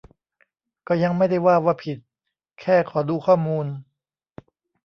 ก็ยังไม่ได้ว่าว่าผิด แค่ขอดูข้อมูล